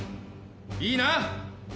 いいな？